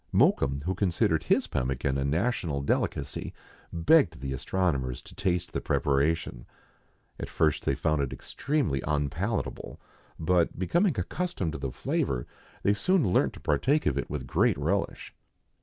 Mokoum, who considered his pemmican a national delicacy, begged the astronomers to taste the preparation. At first they found it extremely unpalatable, but, becoming accustomed to the flavour, they soon learnt to partake of it with great relish.